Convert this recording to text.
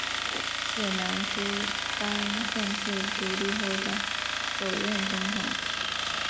是南苏丹正式独立后的首任总统。